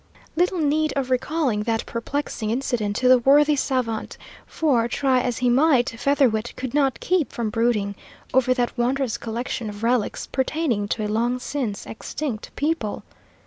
Little need of recalling that perplexing incident to the worthy savant, for, try as he might, Featherwit could not keep from brooding over that wondrous collection of relics pertaining to a long since extinct people.